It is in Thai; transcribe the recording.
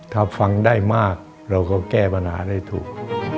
ถ้าฟังได้มากเราก็แก้ปัญหาได้ถูก